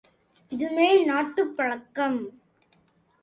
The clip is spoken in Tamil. இது மேல் நாட்டுப் பழக்கம்.